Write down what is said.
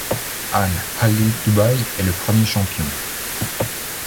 Al Ahly Dubaï est le premier champion.